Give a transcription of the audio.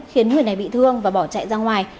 khiến người này bị thương và bỏ chạy ra ngoài